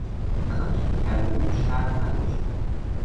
از آنچه که کرده بود شرم نداشت.